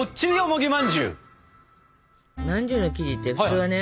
まんじゅうの生地って普通はね